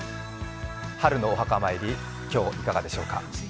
春のお墓参り、今日、いかがでしょうか？